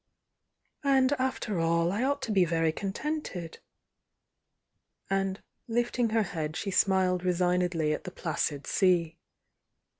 "After all, I ought to be very contented!" and lifting her head, she smiled resignedly at tiie placid sea.